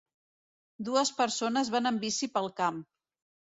Dues persones van en bici pel camp.